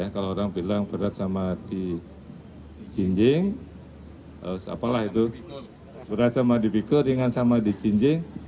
kalau orang bilang berat sama di jinjing berat sama dipikur ringan sama di jinjing